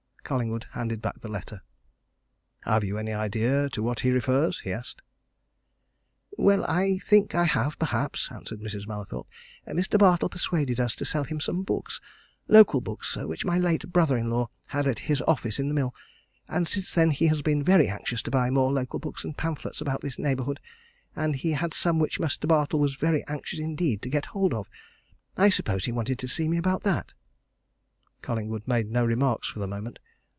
Collingwood handed back the letter. "Have you any idea to what that refers?" he asked. "Well, I think I have perhaps," answered Mrs. Mallathorpe. "Mr. Bartle persuaded us to sell him some books local books which my late brother in law had at his office in the mill. And since then he has been very anxious to buy more local books and pamphlets about this neighbourhood, and he had some which Mr. Bartle was very anxious indeed to get hold of. I suppose he wanted to see me about that." Collingwood made no remarks for the moment.